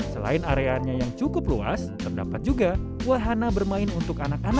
selain area yang juga cukup luas ada juga yang bemaju